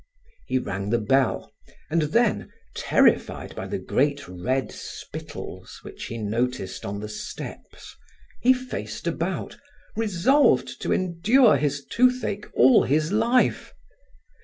He rang the bell and then, terrified by the great red spittles which he noticed on the steps, he faced about, resolved to endure his toothache all his life.